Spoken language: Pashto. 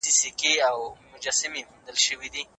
ایا د ماشومانو لپاره په خاوره کي د ونو اېښودل یو ښه درس دی؟